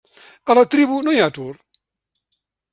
A la tribu no hi ha atur.